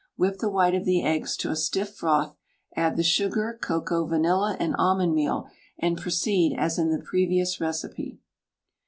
Whip the white of the eggs to a stiff froth, add the sugar, cocoa, vanilla, and almond meal, and proceed as in the previous recipe.